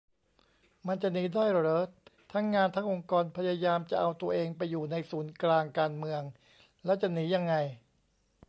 มันจะหนีได้เหรอ ทั้งงานทั้งองค์กรพยายามจะเอาตัวเองไปอยู่ในศูนย์กลางการเมือง แล้วจะหนียังไง